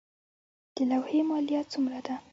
د لوحې مالیه څومره ده؟